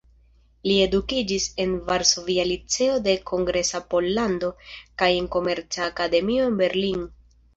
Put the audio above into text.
Li edukiĝis en Varsovia Liceo de Kongresa Pollando kaj en Komerca Akademio en Berlin.